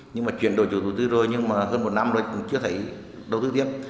nhưng mà chuyển đổi chủ đầu tư rồi nhưng mà hơn một năm rồi cũng chưa thấy đầu tư tiếp